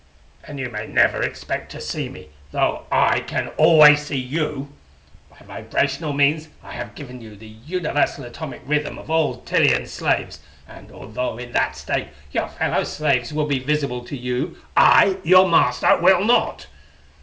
And you may never expect to see me, though I can always see you. By vibrational means I have given you the universal atomic rhythm of all Tillian slaves; and, although in that state your fellow slaves will be visible to you, I, your master, will not!